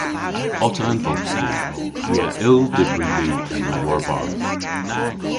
Otta an bosti. Ni a yll dybri li ena war-barth.